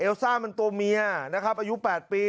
ซ่ามันตัวเมียนะครับอายุ๘ปี